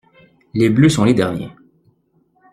Les bleus sont les derniers.